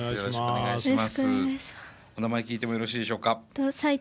お名前聞いてもよろしいでしょうか？